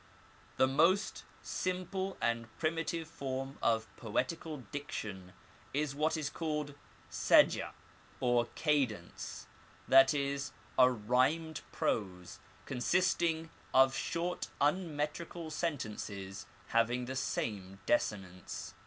The most simple and primitive form of poetical diction is what is called seja or cadence, that is, a rhymed prose, consisting of short uumetrical sentences having the same desinence.